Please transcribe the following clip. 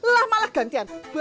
lah malah gantian bapak yang nilai